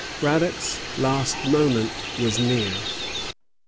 Braddock's last moment was near.